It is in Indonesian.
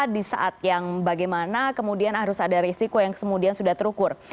di saat yang bagaimana kemudian harus ada risiko yang kemudian sudah terukur